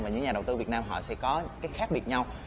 và những nhà đầu tư việt nam họ sẽ có cái khác biệt nhau